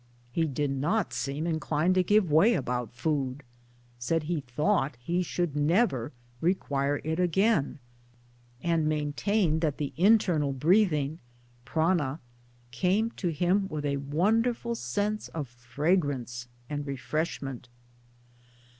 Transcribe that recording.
He did not seem inclined to give way about food said he thought he should never require it again, and maintained that the internal breathing (prana) came to him with a wonderful sense of fragrance and refreshment.